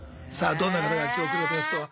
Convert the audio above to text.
どんな方が今日来るゲストは。